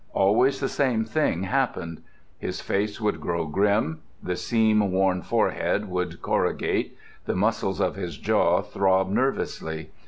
Always the same thing happened. His face would grow grim, the seam worn forehead would corrugate, the muscles of his jaw throb nervously.